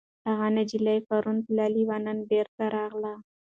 هغه نجلۍ چې پرون تللې وه، نن بېرته راغله.